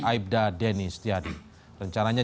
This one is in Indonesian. aibda deni setiadi rencananya